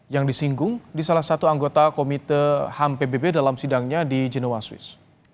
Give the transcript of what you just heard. yang disinggung di salah satu anggota komite ham pbb dalam sidangnya di genowa swiss